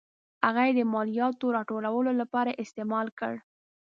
هغه یې د مالیاتو راټولولو لپاره استعمال کړ.